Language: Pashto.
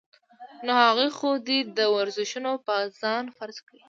نو هغوي خو دې دا ورزشونه پۀ ځان فرض کړي -